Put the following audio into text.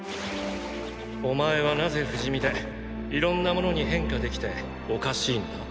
お前はなぜ不死身でいろんな物に変化できておかしいのだ？